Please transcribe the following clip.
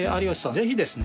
ぜひですね